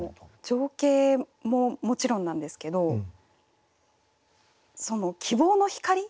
情景ももちろんなんですけど希望の光。